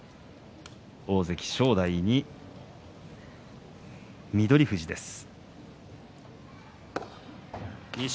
大関正代に翠富士です。